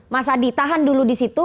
mas adi tahan dulu di situ